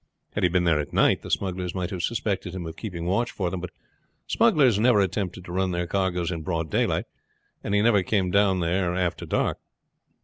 Had he been there at night the smugglers might have suspected him of keeping watch for them; but smugglers never attempted to run their cargoes in broad daylight, and he never came down there after dark.